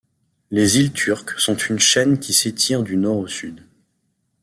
Les îles Turks sont une chaîne qui s’étire du nord au sud.